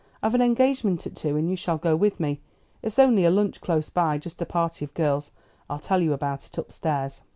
I've an engagement at two, and you shall go with me. It's only a lunch close by, just a party of girls; I'll tell you about it upstairs."